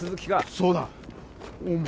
そうだ。